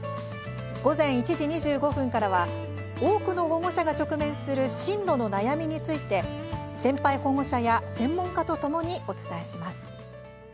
午前１時２５分からは多くの保護者が直面する進路の悩みについて先輩保護者や専門家とともにお伝えします。